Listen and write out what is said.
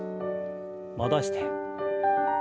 戻して。